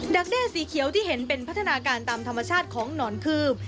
แด้สีเขียวที่เห็นเป็นพัฒนาการตามธรรมชาติของหนอนคืบ